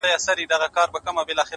پرمختګ د آرامې سیمې پرېښودل غواړي.!